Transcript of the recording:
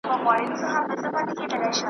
دا متل دی یوه ورځ د بلي مور ده .